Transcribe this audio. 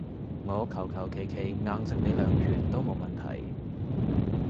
我求求其其硬食你兩拳都冇問題